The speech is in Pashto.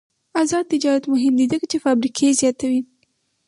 آزاد تجارت مهم دی ځکه چې فابریکې زیاتوي.